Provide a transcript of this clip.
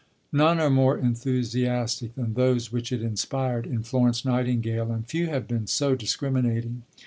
None are more enthusiastic than those which it inspired in Florence Nightingale, and few have been so discriminating.